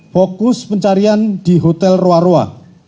fokus pencarian di hotel roa roa